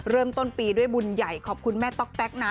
เริ่มต้นปีด้วยบุญใหญ่ขอบคุณแม่ต๊อกแต๊กนะ